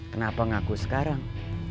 kenapa ngaku sekarang